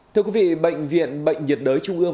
thưa quý vị bệnh viện bệnh nhiệt đới trung ương